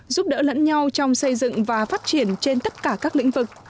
giúp đỡ lẫn nhau trong xây dựng và phát triển trên tất cả các lĩnh vực